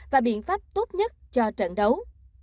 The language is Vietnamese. và biện pháp tốt nhất cho trận đấu